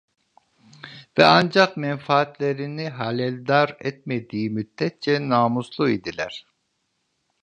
Ve ancak menfaatlerini haleldar etmediği müddetçe namuslu idiler.